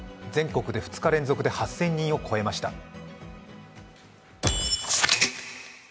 全国で２日連続で８０００人を超えました。